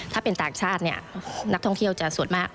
ถ้าเป็นต่างชาติเนี่ยนักท่องเที่ยวจะส่วนมาก